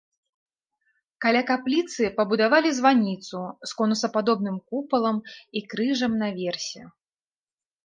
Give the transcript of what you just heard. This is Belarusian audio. Каля капліцы пабудавалі званіцу з конусападобным купалам і крыжам наверсе.